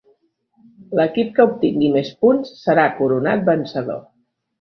L'equip que obtingui més punts serà coronat vencedor.